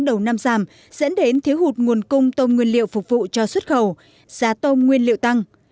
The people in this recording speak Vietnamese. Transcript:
dẫn đến thiếu hụt nguồn cung tôm nguyên liệu phục vụ cho xuất khẩu giá tôm nguyên liệu tăng